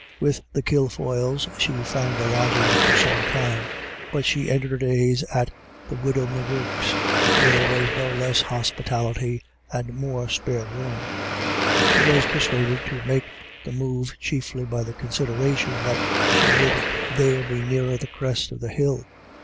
With the Kilfoyles she found a lodging for some time, but she ended her days at the widow M'Gurk's, where there was no less hospitality and 12 162 IRISH IDYLLS. more spare room. She was persuaded to make the move chiefly by the consideration that she would there be nearer the crest of the hill.